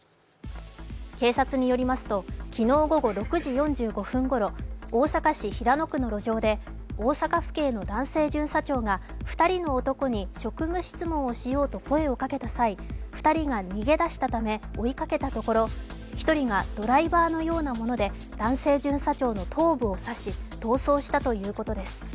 警察によりますと昨日午後６時４５分ごろ、大阪市平野区の路上で、大阪府警の男性巡査長が２人の男に職務質問をしようと声をかけた際、２人が逃げ出したため追いかけたところ１人がドライバーのようなもので男性巡査長の頭部を刺し、逃走したということです。